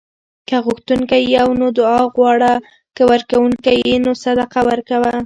که غوښتونکی یې نو دعا غواړه؛ که ورکونکی یې نو صدقه ورکوه